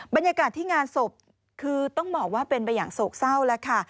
บรรยากาศที่งานศพคือต้องบอกว่าเป็นไปอย่างโศกเศร้าแล้วค่ะ